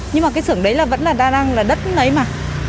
nhưng mà cái xưởng đấy là vẫn là đang là đất đấy mà